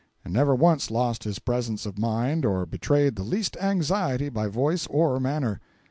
and never once lost his presence of mind or betrayed the least anxiety by voice or manner.